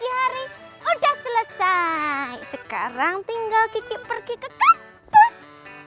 hai pekerjaan rumah di pagi hari udah selesai sekarang tinggal kiki pergi ke kampus